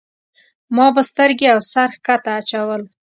ما به سترګې او سر ښکته اچول.